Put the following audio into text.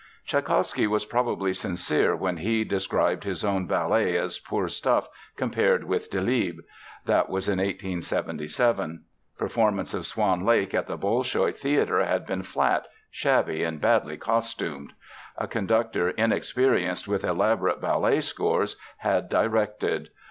Tschaikowsky was probably sincere when he described his own ballet as "poor stuff" compared with Delibes'. That was in 1877. Performances of Swan Lake at the Bolshoi Theater had been flat, shabby, and badly costumed. A conductor inexperienced with elaborate ballet scores had directed.